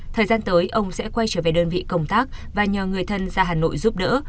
thời gian tới ông sẽ quay trở về đơn vị công tác và nhờ người thân ra hà nội giúp đỡ